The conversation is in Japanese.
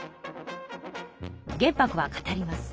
玄白は語ります。